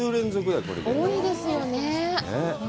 多いですよね。